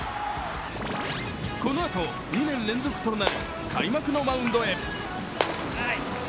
このあと、２年連続となる開幕のマウンドへ。